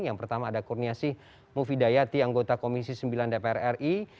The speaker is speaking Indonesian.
yang pertama ada kurniasih mufidayati anggota komisi sembilan dpr ri